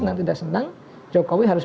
dari daerah yang awal